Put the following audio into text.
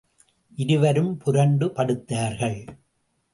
இருவரும் புரண்டு படுத்தார்கள்.